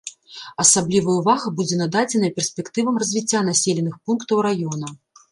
Асаблівая ўвага будзе нададзеная перспектывам развіцця населеных пунктаў раёна.